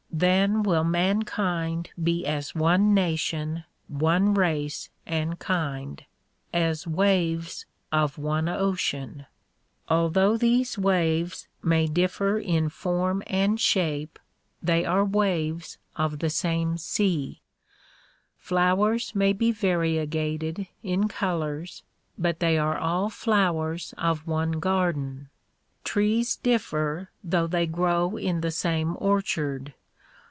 Then will mankind be as one nation, one race and kind; as waves of one ocean. Although these waves may differ in form and shape, DISCOURSES DELIVERED IN WASHINGTON 49 they are waves of the same sea. Flowers may be vanegated in colors but they are all flowers of one garden. Trees differ though they grow in the same orchard.